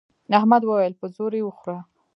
احمد وويل: په زور یې وخوره.